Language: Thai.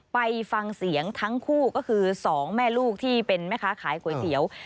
ไปฟังเสียงทั้งคู่ก็คือ๒แม่ลูกที่เป็นแม่ค้าขายก๋วยเตี๋ยว